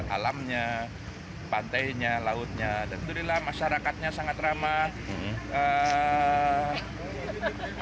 alamnya pantainya lautnya dan itu adalah masyarakatnya sangat ramah